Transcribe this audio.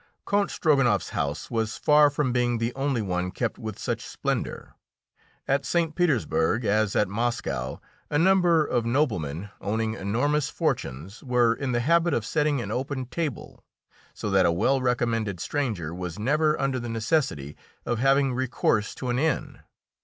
Count Strogonoff's house was far from being the only one kept with such splendour. At St. Petersburg, as at Moscow, a number of noblemen owning enormous fortunes were in the habit of setting an open table, so that a well recommended stranger was never under the necessity of having recourse to an inn.